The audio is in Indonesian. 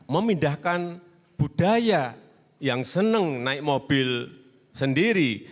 memindahkan budaya yang senang naik mobil sendiri